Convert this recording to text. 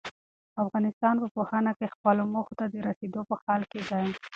افغانستان په پوهنه کې خپلو موخو ته د رسېدو په حال کې دی.